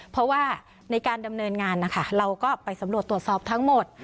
เพราะว่าในการดำเนินงานนะคะเราก็ไปสำรวจตรวจสอบทั้งหมด